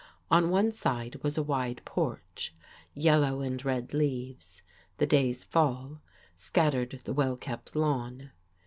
On one side was a wide porch. Yellow and red leaves, the day's fall, scattered the well kept lawn.